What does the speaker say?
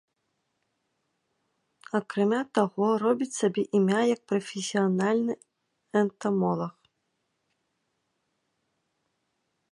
Акрамя таго робіць сабе імя як прафесіянальны энтамолаг.